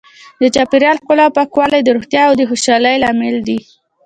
د چاپیریال ښکلا او پاکوالی د روغتیا او خوشحالۍ لامل دی.